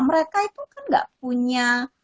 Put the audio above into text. mereka itu kan gak punya